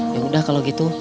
yaudah kalau gitu